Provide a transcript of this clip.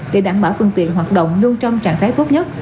để đảm bảo phương tiện hoạt động luôn trong trạng thái tốt nhất